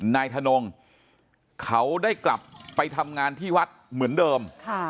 นายทนงเขาได้กลับไปทำงานที่วัดเหมือนเดิม